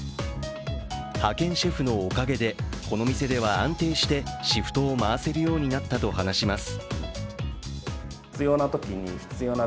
派遣シェフのおかげで、この店では安定してシフトを回せるようになったと話します。